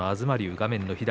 画面の左。